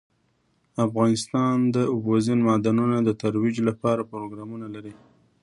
افغانستان د اوبزین معدنونه د ترویج لپاره پروګرامونه لري.